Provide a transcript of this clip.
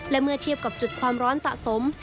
และเมื่อเทียบกับจุดความร้อนสะสม